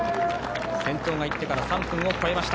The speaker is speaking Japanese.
先頭が行ってから３分を超えました。